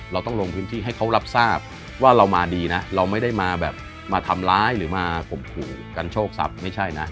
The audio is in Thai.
เราต้องลงพื้นที่ให้เขารับทราบว่าเรามาดีนะเราไม่ได้มาแบบมาทำร้ายหรือมาข่มขู่กันโชคทรัพย์ไม่ใช่นะ